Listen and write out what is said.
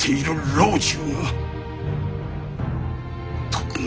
老中。